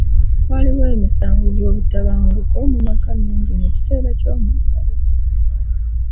Waaliwo emisango gy'obutabanguko mu maka mingi mu kiseera ky'omuggalo.